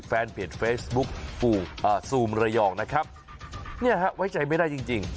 แฟนเพจแฟสบุ๊คอ่านี่ฮะไว้ใจไม่ได้จริงจริง